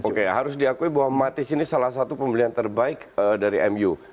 oke harus diakui bahwa matis ini salah satu pembelian terbaik dari mu